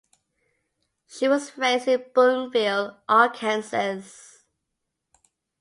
She was raised in Booneville, Arkansas.